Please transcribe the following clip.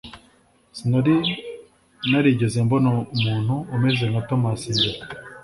Sinari narigeze mbona umuntu umeze nka Tomasi mbere.